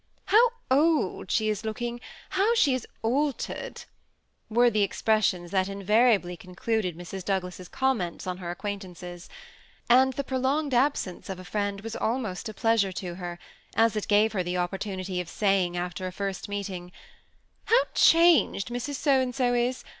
" How old she is looking !"—" How she is altered !" were the expressions that invariably concluded Mrs. Douglas's comments on her acquaint ances ; and the prolonged absence of a friend was almost a pleasure to her, as it gave her the opportunity of say ing after a first meeting, " How changed Mrs. So and so is